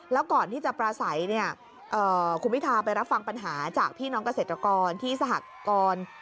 แล้วก่อนที่จะปราศัยเนี่ยคุณพิทาไปรับฟังปัญหาจากพี่น้องเกษตรกรที่สหกร